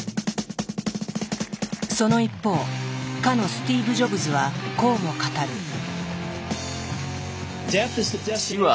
その一方かのスティーブ・ジョブズはこうも語る。